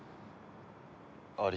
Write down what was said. あり。